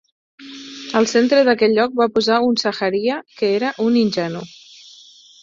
Al centre d'aquell lloc va posar un saharia que era un ingenu.